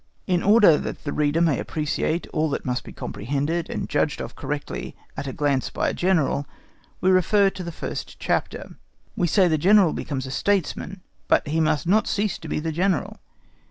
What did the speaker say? In order that the reader may appreciate all that must be comprehended and judged of correctly at a glance by a General, we refer to the first chapter. We say the General becomes a Statesman, but he must not cease to be the General.